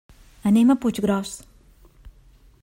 Anem a Puiggròs.